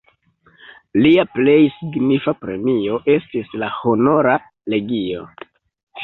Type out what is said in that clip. Lia plej signifa premio estis la Honora legio.